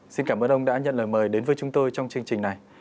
xin cảm ơn ông đã nhận lời mời đến với chúng tôi trong chương trình này